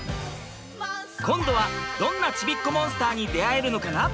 今度はどんなちびっこモンスターに出会えるのかな？